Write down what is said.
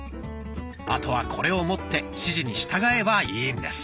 あとはこれを持って指示に従えばいいんです。